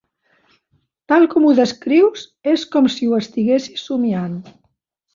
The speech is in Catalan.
Tal com ho descrius, és com si ho estiguessis somiant.